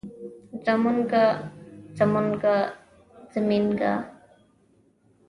زمونږه زمونګه زمينګه